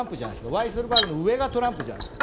ワイセルバーグの上がトランプじゃないですか。